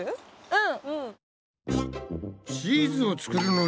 うん。